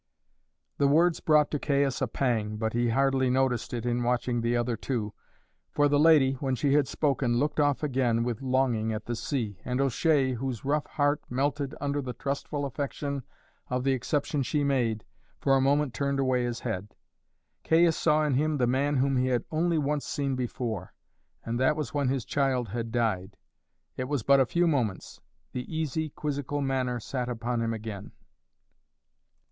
The words brought to Caius a pang, but he hardly noticed it in watching the other two, for the lady, when she had spoken, looked off again with longing at the sea, and O'Shea, whose rough heart melted under the trustful affection of the exception she made, for a moment turned away his head. Caius saw in him the man whom he had only once seen before, and that was when his child had died. It was but a few moments; the easy quizzical manner sat upon him again.